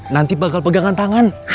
nanti bakal pegangan tangan